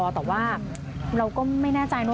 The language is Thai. แต่ว่าเราก็ไม่แน่ใจเนอ